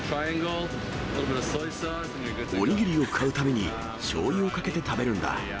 お握りを買うたびにしょうゆをかけて食べるんだ。